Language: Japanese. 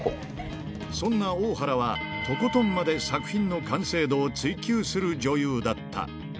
そんな大原は、とことんまで作品の完成度を追求する女優だった。